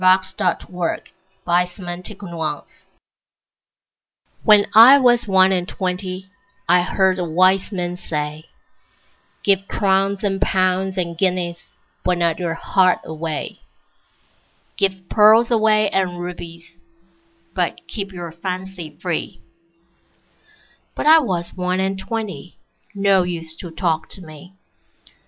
When I was one and twenty WHEN I was one and twentyI heard a wise man say,'Give crowns and pounds and guineasBut not your heart away; Give pearls away and rubiesBut keep your fancy free.'But I was one and twenty, No use to talk to me.